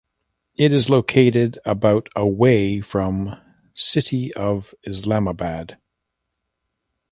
It is located about away from city of Islamabad.